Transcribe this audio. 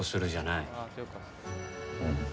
うん。